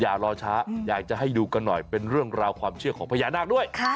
อย่ารอช้าอยากจะให้ดูกันหน่อยเป็นเรื่องราวความเชื่อของพญานาคด้วย